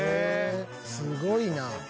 すごいな。